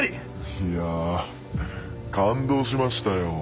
いや感動しましたよ